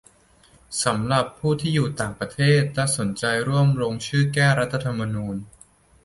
สำหรับผู้ที่อยู่ต่างประเทศ และสนใจร่วมลงชื่อแก้รัฐธรรมนูญ